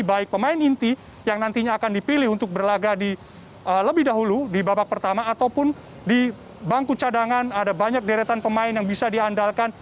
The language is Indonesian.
baik pemain inti yang nantinya akan dipilih untuk berlaga lebih dahulu di babak pertama ataupun di bangku cadangan ada banyak deretan pemain yang bisa diandalkan